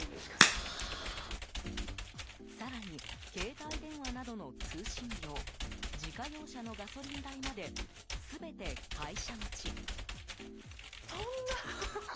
更に、携帯電話などの通信料自家用車のガソリン代まで全て会社持ち。